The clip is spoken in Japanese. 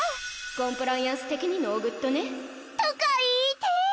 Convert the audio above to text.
コンプライアンス的にノーグッドねとか言いてぇ！